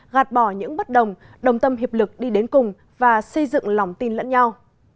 gạt bỏ những bất đồng đồng tâm hiệp lực đi đến cùng và xây dựng lòng tin lẫn nhau